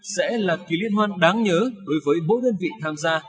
sẽ là kỳ liên hoan đáng nhớ đối với mỗi đơn vị tham gia